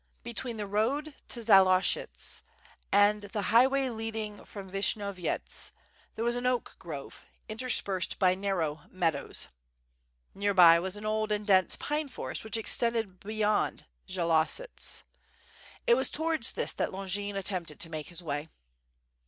Between the road to Zaloshtsits and the highway leading from Vishnyovyets there was an oak grove, interspersed by narrow meadows. Near by was an old and dense pine forest which extended beyond Zaloshtsits It was towards this that Longin attempted to make his way.